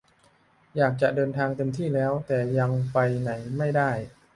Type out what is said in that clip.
อยากจะเดินทางเต็มที่แล้ว แต่ยังไปไหนไม่ได้